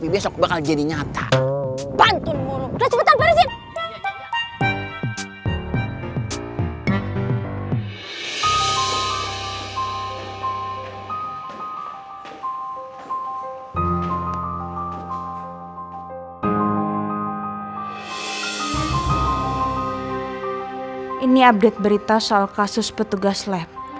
membawa elsa kabur